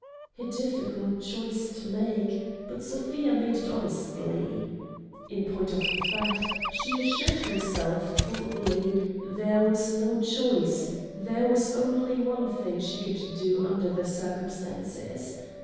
A difficult choice to make; but Sofia made it honestly. In point of fact, she assured herself, coldly, there was no choice, there was only one thing she could do under the circumstances.